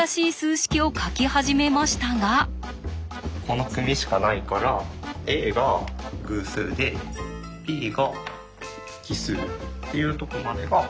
この組しかないからＡが偶数でＢが奇数っていうとこまでがわかる。